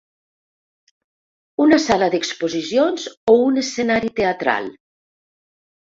Una sala d’exposicions o un escenari teatral?